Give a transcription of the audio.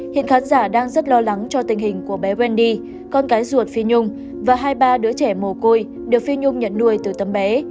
hiện khán giả đang rất lo lắng cho tình hình của bé quen đi con gái ruột phi nhung và hai ba đứa trẻ mồ côi được phi nhung nhận nuôi từ tấm bé